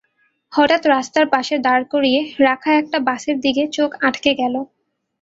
হঠাৎ রাস্তার পাশে দাঁড় করিয়ে রাখা একটা বাসের দিকে চোখ আটকে গেল।